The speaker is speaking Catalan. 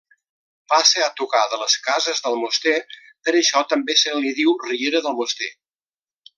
Passa a tocar de les cases d'Almoster, per això també se li diu Riera d'Almoster.